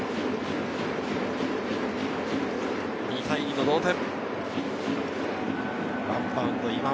２対２の同点。